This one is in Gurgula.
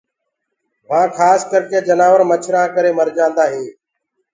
وهآن کآس ڪرڪي جنآور مڇرآن ڪري مر جآندآهين